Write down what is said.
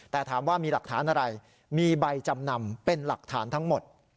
แต่ถามว่ามีหลักฐานอะไรมีใบจำนำเป็นหลักฐานทั้งหมด